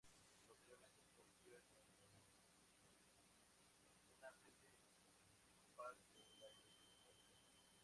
Posteriormente se convirtió en una sede episcopal de la iglesia católica.